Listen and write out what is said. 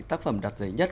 tác phẩm đặt giấy nhất